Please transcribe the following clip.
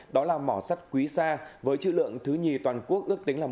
đó là mỏ sắt quý sa với chữ lượng thứ nhì toàn quốc ước tính là một trăm hai mươi